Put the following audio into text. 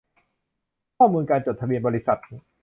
ข้อมูลการจดทะเบียนบริษัท